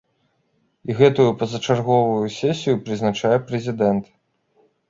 І гэтую пазачарговую сесію прызначае прэзідэнт.